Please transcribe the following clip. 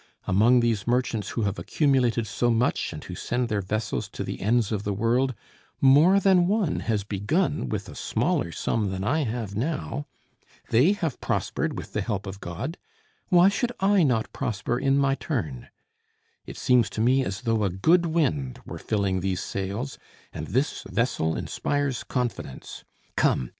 Among these merchants who have accumulated so much and who send their vessels to the ends of the world, more than one has begun with a smaller sum than I have now. They have prospered with the help of God; why should I not prosper in my turn? It seems to me as though a good wind were filling these sails, and this vessel inspires confidence. Come!